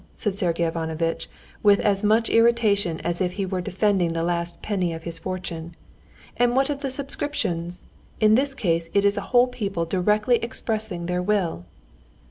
said Sergey Ivanovitch, with as much irritation as if he were defending the last penny of his fortune. "And what of the subscriptions? In this case it is a whole people directly expressing their will."